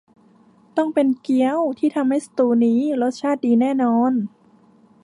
ต้องเป็นเกี๊ยวที่ทำให้สตูว์นี้รสชาติดีแน่นอน